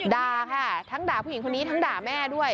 ด่าค่ะทั้งด่าผู้หญิงคนนี้ทั้งด่าแม่ด้วย